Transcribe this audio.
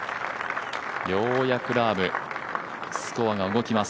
ようやくラーム、スコアが動きます。